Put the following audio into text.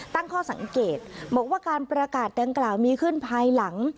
ตั้งข้อสังเกตบอกว่าการประกาศดังกล่าวมีขึ้นภายหลัง